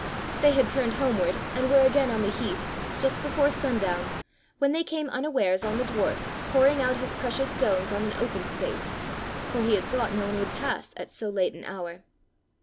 They had turned home ward and were again on the heath, just before sundown, when they came unawares on the dwarf pouring out his precious stones on an open space, for he had thought no one would pass at so late an hour.